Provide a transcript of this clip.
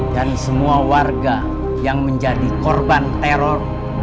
dan semua warga yang menjadi korban teror